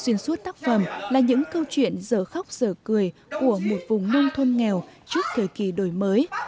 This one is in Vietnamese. xuyên suốt tác phẩm là những câu chuyện giờ khóc giờ cười của một vùng nông thôn nghèo trước thời kỳ đổi mới